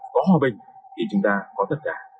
có hòa bình thì chúng ta có tất cả